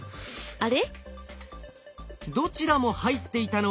あれ？